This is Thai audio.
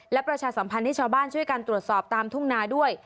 และประชาสัมพันธ์ให้ชาวบ้านช่วยกันตรวจสอบตามทุ่งนาด้วย